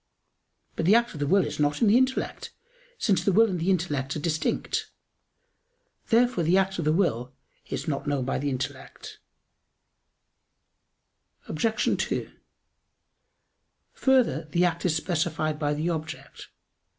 But the act of the will is not in the intellect; since the will and the intellect are distinct. Therefore the act of the will is not known by the intellect. Obj. 2: Further, the act is specified by the object.